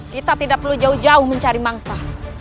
kita tidak perlu jauh jauh mencari mangsa